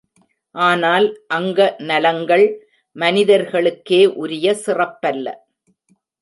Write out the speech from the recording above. ஆனால் அங்க நலங்கள் மனிதர்களுக்கே உரிய சிறப்பல்ல.